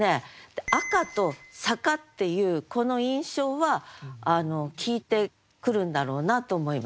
「赤」と「坂」っていうこの印象は効いてくるんだろうなと思います。